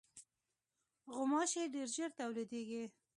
غوماشې ډېر ژر تولیدېږي.